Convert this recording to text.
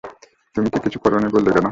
তুমি কিছু করোনি বললে কেন?